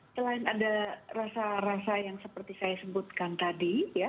selain ada rasa rasa yang seperti saya sebutkan tadi